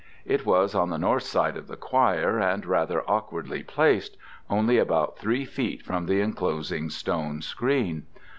It was on the north side of the choir, and rather awkwardly placed: only about three feet from the enclosing stone screen.